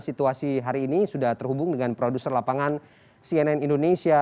situasi hari ini sudah terhubung dengan produser lapangan cnn indonesia